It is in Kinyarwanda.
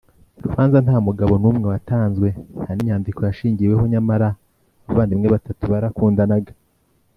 rubanza nta mugabo n umwe watanzwe nta n inyandiko yashingiweho Nyamara abo bavandimwe batatu barakundanaga